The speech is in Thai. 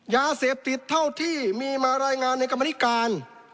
ยาเสพติดเท่าที่มีมารายงานในกรรมนิการ